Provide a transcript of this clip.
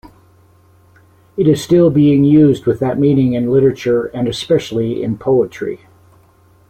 It is still being used with that meaning in literature and especially in poetry.